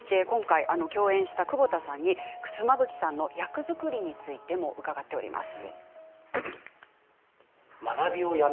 共演した窪田さんに妻夫木さんの役作りについても伺っています。